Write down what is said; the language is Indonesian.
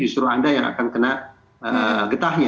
justru anda yang akan kena getahnya